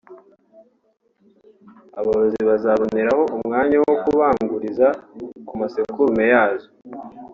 aborozi bazaboneraho umwanya wo kubanguriza ku masekurume yazo